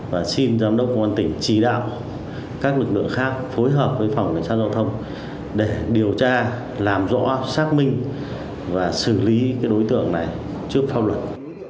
và xin giám đốc công an tỉnh chỉ đạo các lực lượng khác phối hợp với phòng cảnh sát giao thông để điều tra làm rõ xác minh và xử lý đối tượng này trước pháp luật